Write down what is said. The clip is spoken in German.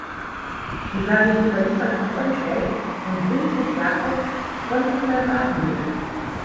Die Sage ist überliefert von Otto Schell und Vinzenz Jakob von Zuccalmaglio.